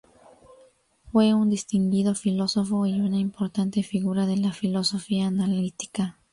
Fue un distinguido filósofo y una importante figura de la filosofía analítica.